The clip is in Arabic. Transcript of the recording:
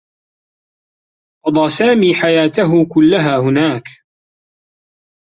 قضى سامي حياته كلّها هناك.